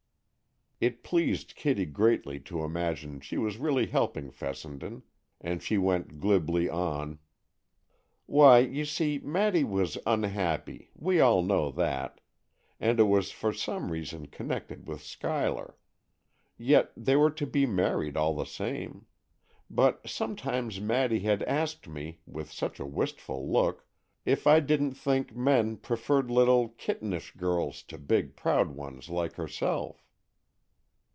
It pleased Kitty greatly to imagine she was really helping Fessenden, and she went glibly on: "Why, you see, Maddy was unhappy,—we all know that,—and it was for some reason connected with Schuyler. Yet they were to be married, all the same. But sometimes Maddy has asked me, with such a wistful look, if I didn't think men preferred little, kittenish girls to big, proud ones like herself."